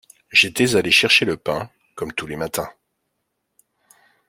J’étais allé chercher le pain, comme tous les matins.